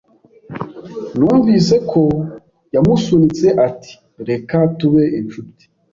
Numvise ko yamusunitse, ati: "Reka tube inshuti."